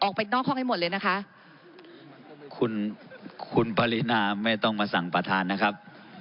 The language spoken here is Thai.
ออกไปนอกห้องให้หมดเลยนะคะคุณคุณปรินาไม่ต้องมาสั่งประธานนะครับ